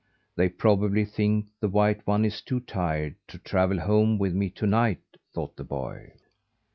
"They probably think the white one is too tired to travel home with me to night," thought the boy.